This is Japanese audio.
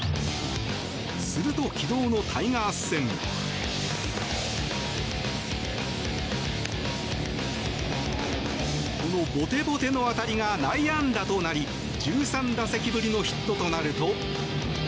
すると、昨日のタイガース戦。このボテボテの当たりが内野安打となり１３打席ぶりのヒットとなると。